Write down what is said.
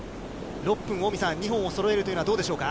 ６分、近江さん、２本をそろえるというのは、どうでしょうか。